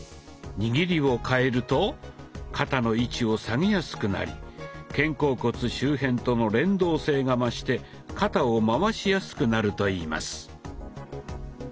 握りを替えると肩の位置を下げやすくなり肩甲骨周辺との連動性が増して肩を回しやすくなるといいます。